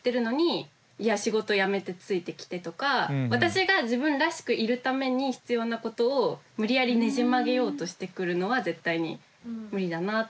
例えば私が私が自分らしくいるために必要なことを無理やりねじ曲げようとしてくるのは絶対に無理だな。